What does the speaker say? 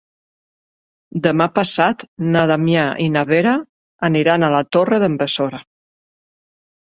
Demà passat na Damià i na Vera aniran a la Torre d'en Besora.